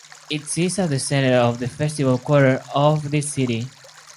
It sits at the center of the festival quarter of the city.